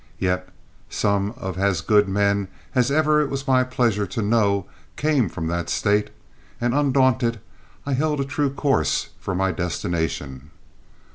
Yet some of as good men as ever it was my pleasure to know came from that State, and undaunted I held a true course for my destination.